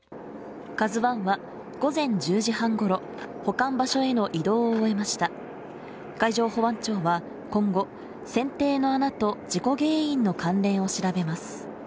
「ＫＡＺＵ１」は午前１０時半ごろ保管場所への移動を終えました海上保安庁は今後船底の穴と事故原因の関連を調べます